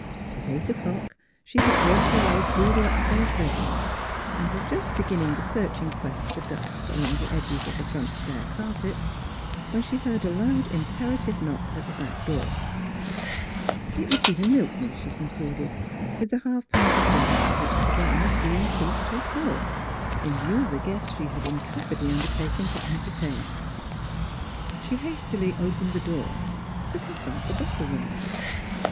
At eight o'clock she had worked her way through the upstairs bedrooms, and was just beginning the searching quest for dust along the edges of the front stair carpet when she heard a loud imperative knock at the back door. Miss Fhilura's Wedding Goiun It would be the milkman, she concluded, with the half pint of milk, which to day must be increased to a quart, in view of the guests she had intrepidly undertaken to entertain. She hastily opened the door, to con front the butter woman.